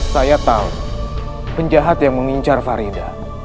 saya tahu penjahat yang mengincar farida